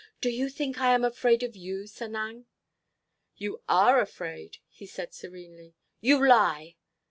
"Do you think I am afraid of you, Sanang?" "You are afraid," he said serenely. "You lie!"